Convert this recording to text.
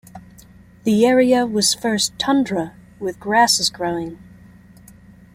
The area was first tundra with grasses growing.